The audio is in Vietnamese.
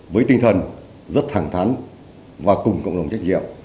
với tinh thần rất thẳng thắn và cùng cộng đồng trách nhiệm